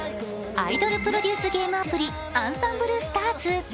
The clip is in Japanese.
アイドルプロデュースゲームアプリ「あんさんぶるスターズ！！」。